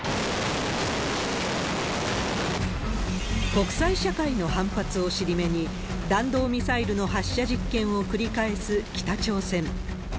国際社会の反発を尻目に、弾道ミサイルの発射実験を繰り返す北朝鮮。